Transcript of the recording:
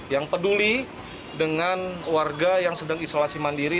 yang peduli dengan warga yang sedang isolasi mandiri